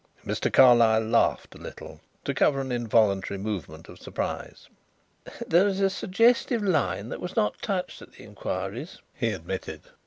Mr. Carlyle laughed a little to cover an involuntary movement of surprise. "There is a suggestive line that was not touched at the inquiries," he admitted.